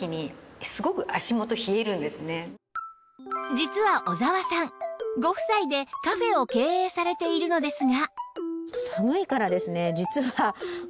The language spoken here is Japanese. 実は小澤さんご夫妻でカフェを経営されているのですが